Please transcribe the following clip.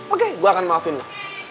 oke gue akan maafin loh